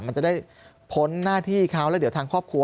มันจะได้พ้นหน้าที่เขาแล้วเดี๋ยวทางครอบครัว